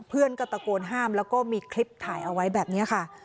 เพื่อนก็ตะโกนห้ามแล้วก็มีคลิปถ่ายเอาไว้แบบนี้ค่ะ